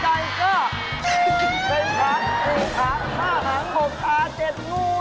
เอาร้อยจุดนึงมาขอเล็กโทษ